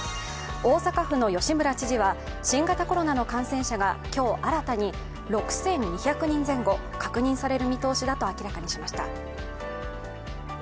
大阪府の吉村知事は新型コロナの感染者が今日新たに６２００人前後確認される見通しだと明らかにしました。